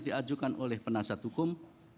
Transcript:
diajukan oleh penasihat hukum